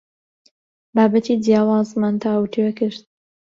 بابەتی جیاوازمان تاوتوێ کرد.